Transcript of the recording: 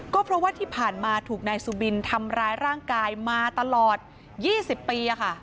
ก็เพราะว่าที่ผ่านมาถูกนายสุบินทำร้ายร่างกายมาตลอด๒๐ปี